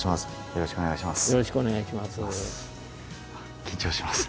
よろしくお願いします。